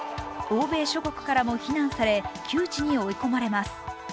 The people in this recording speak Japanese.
欧米諸国からも非難され窮地に追い込まれます。